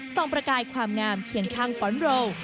ส่องประกายความงามเขียนข้างฟอนด์โรล